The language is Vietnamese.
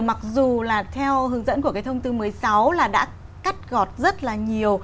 mặc dù là theo hướng dẫn của cái thông tư một mươi sáu là đã cắt gọt rất là nhiều